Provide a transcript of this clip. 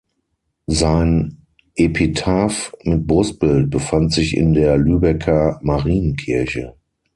Sein Epitaph mit Brustbild befand sich in der Lübecker Marienkirche.